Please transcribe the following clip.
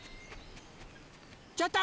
ちょっと！